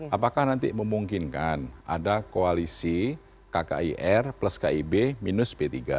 apakah nanti memungkinkan ada koalisi kkir plus kib minus p tiga